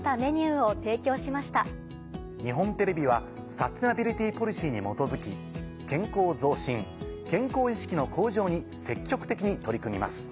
日本テレビはサステナビリティポリシーに基づき健康増進健康意識の向上に積極的に取り組みます。